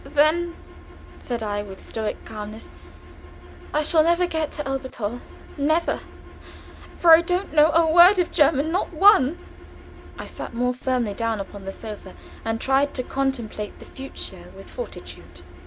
"Then," said I, with stoic calmness, "I shall never get to Elberthal never, for I don't know a word of German, not one," I sat more firmly down upon the sofa, and tried to contemplate the future with fortitude.